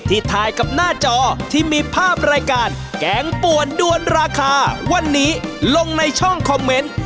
ถ่ายกับหน้าจอที่มีภาพรายการแกงป่วนด้วนราคาวันนี้ลงในช่องคอมเมนต์